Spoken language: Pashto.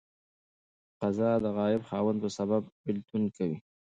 قضا د غائب خاوند په سبب بيلتون کوي.